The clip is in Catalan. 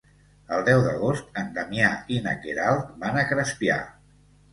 El deu d'agost en Damià i na Queralt van a Crespià.